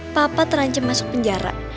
papa terancam masuk penjara